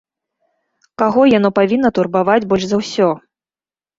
Каго яно павінна турбаваць больш за ўсё?